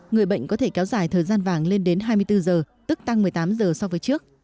người bệnh có thể kéo dài thời gian vàng lên đến hai mươi bốn giờ tức tăng một mươi tám giờ so với trước